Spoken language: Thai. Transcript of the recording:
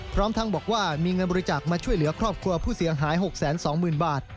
พร้อมทั้งบอกว่ามีเงินบริจาคมาช่วยเหลือครอบครัวผู้เสียหาย๖๒๐๐๐บาท